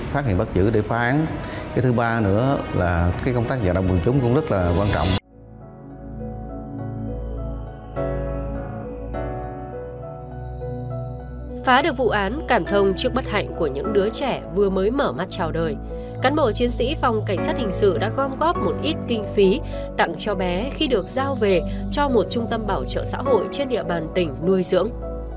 phá được vụ án cảm thông trước bất hạnh của những đứa trẻ vừa mới mở mắt trào đời cán bộ chiến sĩ phòng cảnh sát hình sự đã gom góp một ít kinh phí tặng cho bé khi được giao về cho một trung tâm bảo trợ xã hội trên địa bàn tỉnh nuôi dưỡng